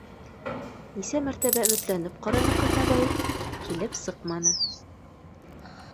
Нисә мәртәбә омөтләнеп ҡараны Ҡаҙнабаев, килеп сыҡманы